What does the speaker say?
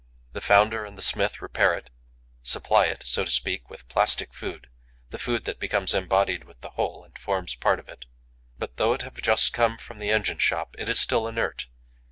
The founder and the smith repair it, supply it, so to speak, with 'plastic food,' the food that becomes embodied with the whole and forms part of it. But, though it have just come from the engine shop, it is still inert.